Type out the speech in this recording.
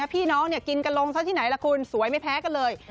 พี่น้องกินกันลงซะที่ไหนล่ะคุณสวยไม่แพ้กันเลย